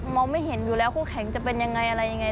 ไม่เห็นอยู่แล้วคู่แข่งจะเป็นยังไงอะไรยังไง